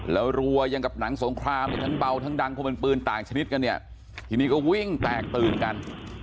แล้วรัวยังกับหนังสงครามเนี่ยทั้งเบาทั้งดังเพราะเป็นปืนต่างชนิดกันเนี่ยทีนี้ก็วิ่งแตกตื่นกัน